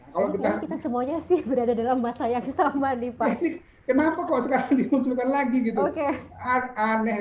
tapi kita semuanya sih berada dalam masa yang sama nih pak